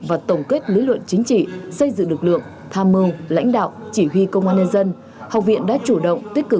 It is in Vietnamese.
và tổng kết lý luận chính trị